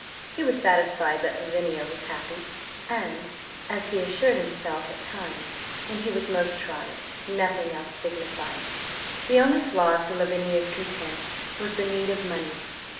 He was satisfied that Lavinia was happy, and, as he assured himself at times when he was most tried, nothing else signified. The only flaw to Lavinia's content was the need of money.